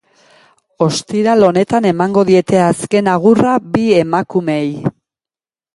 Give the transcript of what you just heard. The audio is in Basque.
Ostiral honetan emango diete azken agurra bi emakumeei.